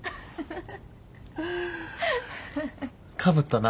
かぶったな。